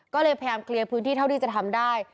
ก็เลยพยายามเคลียร์พื้นที่เท่าที่จะทำได้